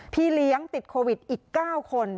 พี่เลี้ยงติดโควิดอีก๙คน